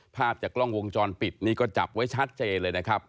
ภาพจากกล้องวงจรปิดนี่ก็จับไว้ชัดเจนเลยนะครับ